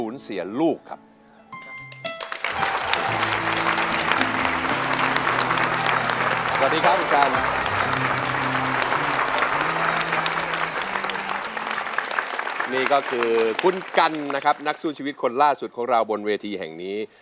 นี่ก็คือคุณกันนะครับนักสู้ชีวิตคนล่าสุดของเราบนเวทีแห่งนี้